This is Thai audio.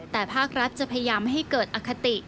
แต่ภาครัฐจะพยายามไม่ให้เกิดอคติ